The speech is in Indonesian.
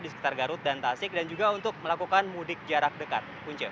di sekitar garut dan tasik dan juga untuk melakukan mudik jarak dekat